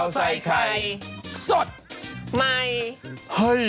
ใส่ไข่สดใหม่ให้